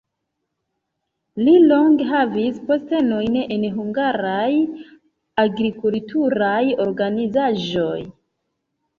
Li longe havis postenojn en hungaraj agrikulturaj organizaĵoj.